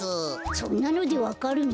そんなのでわかるの？